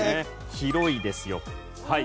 「広いですよはい」